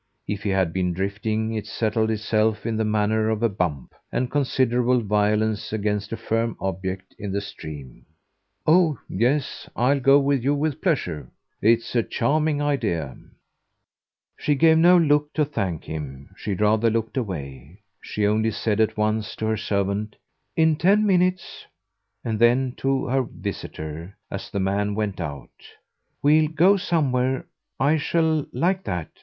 If he had been drifting it settled itself in the manner of a bump, of considerable violence, against a firm object in the stream. "Oh yes; I'll go with you with pleasure. It's a charming idea." She gave no look to thank him she rather looked away; she only said at once to her servant, "In ten minutes"; and then to her visitor, as the man went out, "We'll go somewhere I shall like that.